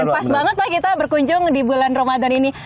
dan pas banget pak kita berkunjung di bulan ramadan ini